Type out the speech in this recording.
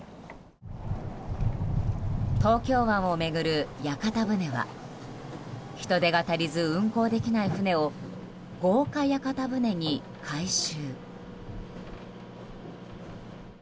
東京湾を巡る屋形船は人手が足りず、運航できない船を豪華屋形船に改修。